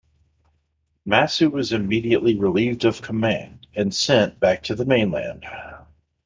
Massu was immediately relieved of command and sent back to the mainland.